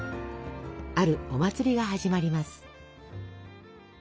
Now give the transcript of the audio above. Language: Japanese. あるお祭りが始まります。